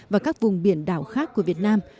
và các vùng biển đảo khác của việt nam